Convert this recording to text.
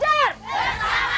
bersama sahabat ganjar